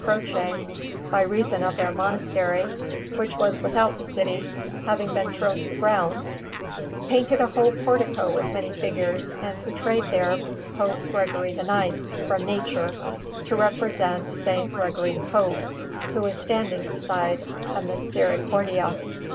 Croce, by reason of their monastery, which was without the city, having been thrown to the ground), painted a whole portico with many figures, and portrayed there Pope Gregory IX from nature, to represent S. Gregory the Pope, who is standing beside a Misericordia.